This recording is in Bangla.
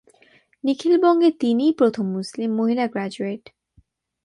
নিখিল বঙ্গে তিনিই প্রথম মুসলিম মহিলা গ্র্যাজুয়েট।